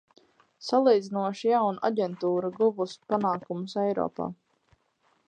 Salīdzinoši jauna aģentūra guvusi panākumus Eiropā.